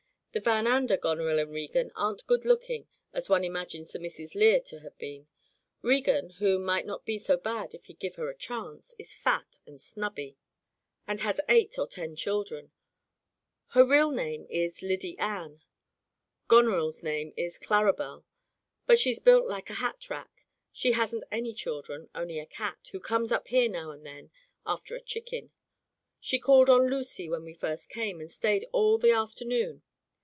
The Van Ander Goneril and Regan aren't good looking, as one imagines the Misses Lear to have been. Regan — ^who might not be so bad if he'd give her a chance — is fat and snubby, [ 321 ] Digitized by LjOOQ IC Interventions and has eight or ten children. Her real name is Lyddy Ann. Goneril's name is Claribel, and she's built like a hat rack. She hasn't any children, only a cat, who comes up here now and then after a chicken. She called on Lucy when we first came, and stayed all the after noon.